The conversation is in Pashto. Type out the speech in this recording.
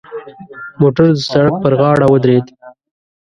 موټر د سړک پر غاړه ودرید.